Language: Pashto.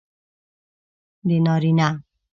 د نارینه